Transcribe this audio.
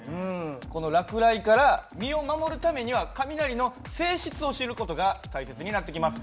この落雷から身を守るためには雷の性質を知る事が大切になってきます。